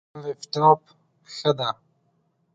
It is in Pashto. لپټاپ، ښه ده